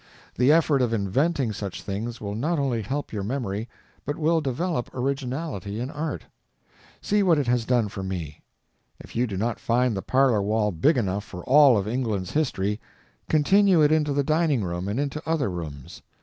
The effort of inventing such things will not only help your memory, but will develop originality in art. See what it has done for me. If you do not find the parlor wall big enough for all of England's history, continue it into the dining room and into other rooms.